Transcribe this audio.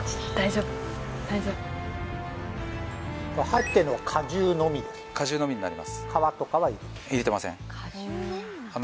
入ってるのは果汁のみですか？